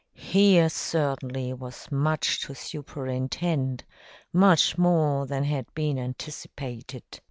Here certainly was much to superintend, much more than had been anticipated.